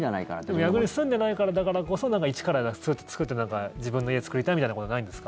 逆に住んでないからだからこそ一からそうやって作って自分の家作りたいみたいなことないんですか？